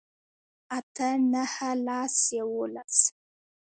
اتۀ نهه لس يوولس